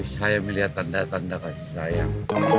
saya melihat tanda tanda kasih sayang